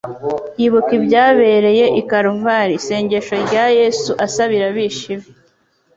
Yibuka ibyabereye i Karuvali. Isengesho rya Yesu asabira abishi be,